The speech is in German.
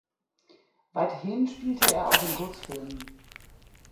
Weiterhin spielte er auch in Kurzfilmen.